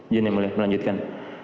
jini mulai melanjutkan